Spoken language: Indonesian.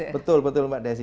betul betul mbak desi